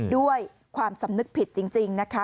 ด้วยความสำนึกผิดจริงนะคะ